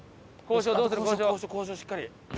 交渉しっかり。